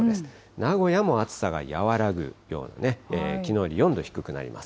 名古屋も暑さが和らぐような、きのうより４度低くなります。